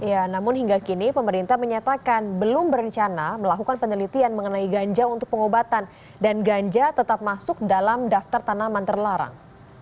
ya namun hingga kini pemerintah menyatakan belum berencana melakukan penelitian mengenai ganja untuk pengobatan dan ganja tetap masuk dalam daftar tanaman terlarang